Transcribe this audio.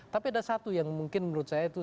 tapi ada satu yang mungkin menurut saya itu